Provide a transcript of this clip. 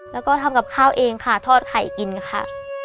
แล้วก็ทำกับข้าวเองค่ะทอดไข่กินค่ะ